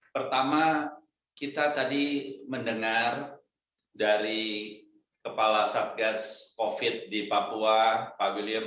pertama kita tadi mendengar dari kepala satgas covid di papua pak william